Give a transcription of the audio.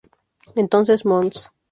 Entonces mons.